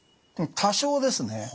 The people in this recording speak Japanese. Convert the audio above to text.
多少ですね。